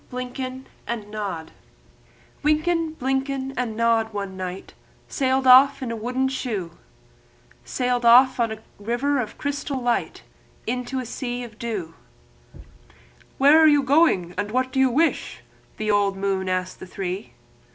DUTCH LULLABY Wynken, Blynken, and Nod one night Sailed off in a wooden shoe, Sailed on a river of misty light Into a sea of dew. "Where are you going, and what do you wish?" The old moon asked the three.